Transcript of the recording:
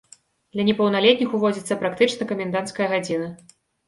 Для непаўналетніх ўводзіцца практычна каменданцкая гадзіна.